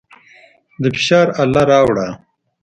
د فشار اله راوړه.